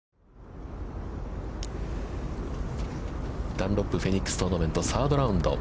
ダンロップフェニックストーナメント、サードラウンド。